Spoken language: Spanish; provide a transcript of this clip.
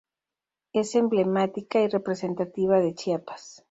Es emblemática y representativa de Chiapas.